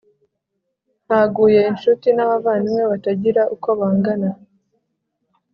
Haguye inshuti n’abavandimwe batagira uko bangana